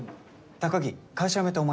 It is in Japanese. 高木会社辞めてお前